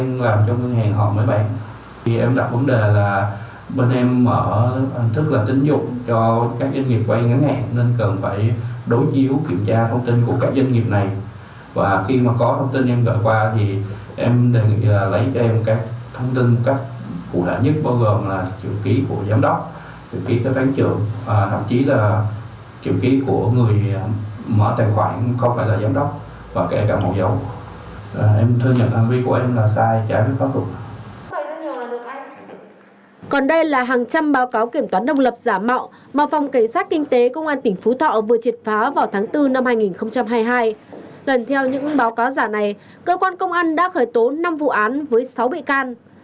gần theo những báo cáo giả này cơ quan công an đã khởi tố năm vụ án với sáu bị can